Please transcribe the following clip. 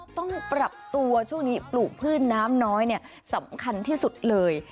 ต้องปรับตัวช่วงนี้ปลูกพืชน้ำน้อยสำคัญที่สุดเลย